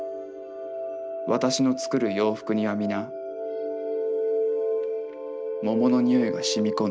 私の作る洋服にはみな桃の匂いが染み込んでいた」。